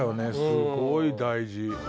すごい大事。